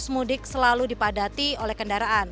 arus mudik selalu dipadati oleh kendaraan